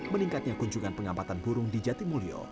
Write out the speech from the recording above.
meningkatnya kunjungan pengamatan burung di jatimulyo